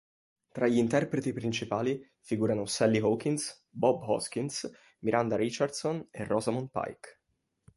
Tra gli interpreti principali figurano Sally Hawkins, Bob Hoskins, Miranda Richardson e Rosamund Pike.